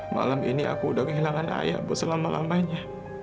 malam ini aku udah kehilangan ayah bu selama lamanya